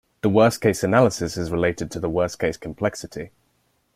The worst-case analysis is related to the worst-case complexity.